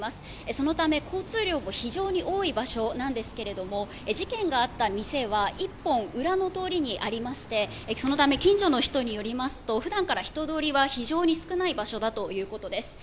そのため、交通量も非常に多い場所なんですが事件があった店は１本裏の通りにありましてそのため近所の人によりますと普段から人通りは非常に少ない場所だということです。